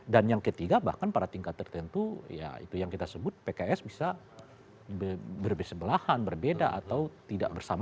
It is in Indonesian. dan yang ketiga bahkan pada tingkat tertentu ya itu yang kita sebut pks bisa berbeza belahan berbeda atau tidak bersamaan